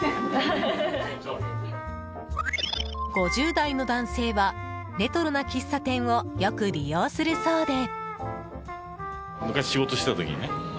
５０代の男性はレトロな喫茶店をよく利用するそうで。